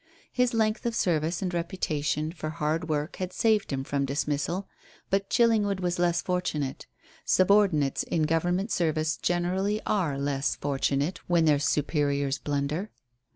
His length of service and reputation for hard work had saved him from dismissal, but Chillingwood was less fortunate; subordinates in Government service generally are less fortunate when their superiors blunder.